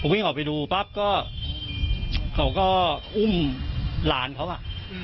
วิ่งออกไปดูปั๊บก็เขาก็อุ้มหลานเขาอ่ะ